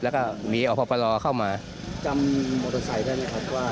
แล้วก็มีอพปรเข้ามาจำมอเตอร์ไซค์ได้ไหมครับว่า